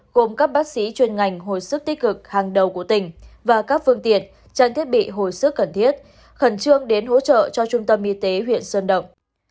gồm các bác sĩ chuyên ngành hồi sức tích cực hàng đầu của tỉnh và các phương tiện trang thiết bị hồi sức cần thiết khẩn trương đến hỗ trợ cho trung tâm y tế huyện sơn động